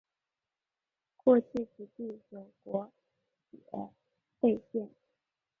过去此地有国铁废线。